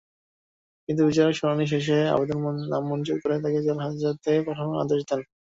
কিন্তু বিচারক শুনানি শেষে আবেদন নামঞ্জুর করে তাঁকে জেলহাজতে পাঠানোর আদেশ দেন।